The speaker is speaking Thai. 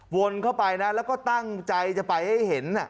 วนเข้าไปนะแล้วก็ตั้งใจจะไปให้เห็น